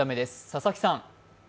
佐々木さん。